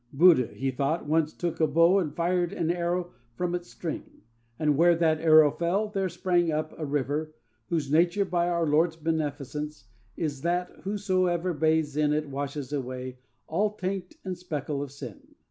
Buddha, he thought, once took a bow and fired an arrow from its string, and, where that arrow fell, there sprang up a river 'whose nature, by our Lord's beneficence, is that whoso bathes in it washes away all taint and speckle of sin.'